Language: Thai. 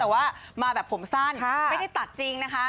แต่ว่ามาแบบผมสั้นไม่ได้ตัดจริงนะคะ